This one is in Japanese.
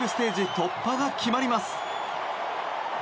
突破が決まります。